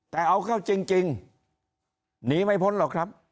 แต่เอาเข้าจริงหนีไม่พ้นหรอกครับ